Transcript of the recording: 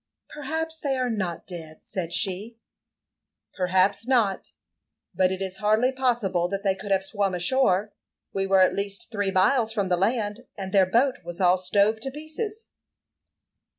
"Perhaps they are not dead," said she. "Perhaps not; but it is hardly possible that they could have swum ashore. We were at least three miles from the land, and their boat was all stove to pieces."